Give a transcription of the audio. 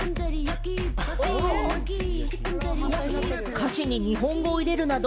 歌詞に日本語を入れるなど、